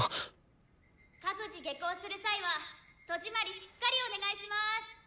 各自下校する際は戸締まりしっかりお願いします。